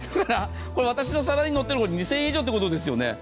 私の皿に載っているのは２０００円以上ということですよね。